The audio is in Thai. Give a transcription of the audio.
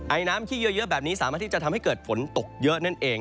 ไอน้ำที่เยอะแบบนี้สามารถที่จะทำให้เกิดฝนตกเยอะนั่นเอง